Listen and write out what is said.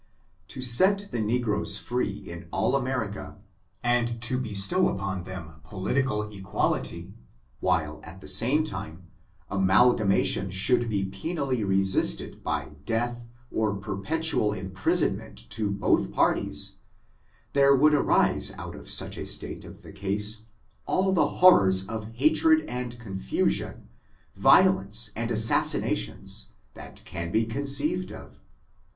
To set the negroes free in all America, and to be stow upon them political equality, while, at the same time amalgamation should be penally resisted by death or perpetual imprisonment to both parties, there would arise out of such a state of the case all the horrors of hatred and confusion, violence and assas sinations, that can be Conceived of.